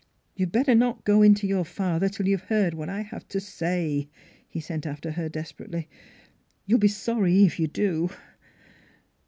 ' You'd better not go in to your father till you've heard what I have to say," he sent after her desperately. " You'll be sorry if you do."